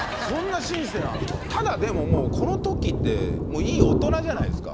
ただでももうこのときってもういい大人じゃないですか。